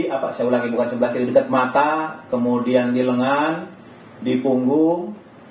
apa saya ulangi bukan sebelah kiri dekat mata kemudian di lengan di punggung